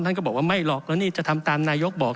ก็บอกว่าไม่หรอกแล้วนี่จะทำตามนายกบอก